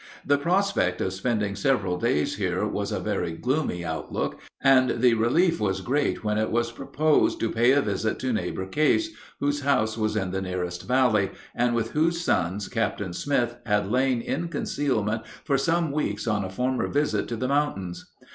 The prospect of spending several days here was a very gloomy outlook, and the relief was great when it was proposed to pay a visit to Neighbor Case, whose house was in the nearest valley, and with whose sons Captain Smith had lain in concealment for some weeks on a former visit to the mountains.